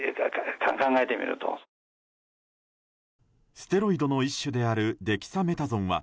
ステロイドの１種であるデキサメタゾンは